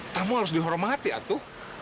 kamu harus dihormati atu